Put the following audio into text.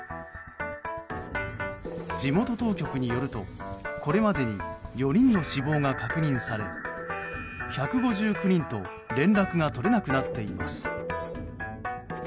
地元当局によるこれまでに４人の死亡が確認され１５９人と連絡が取れなくなっています。